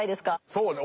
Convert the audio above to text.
そうね。